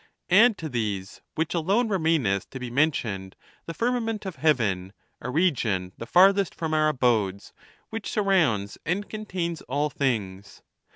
XL. Add to these, which alone remaineth to be men tioned, the firmament of heaven, a region the farthest from our abodes, which surrounds and contains all things.